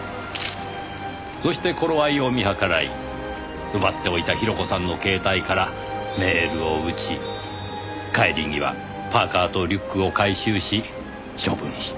そして頃合いを見計らい奪っておいた広子さんの携帯からメールを打ち帰り際パーカーとリュックを回収し処分した。